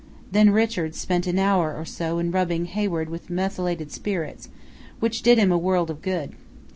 Then Richards spent an hour or so in rubbing Hayward with methylated spirits, which did him a world of good.